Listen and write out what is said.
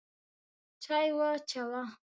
چای واچوه!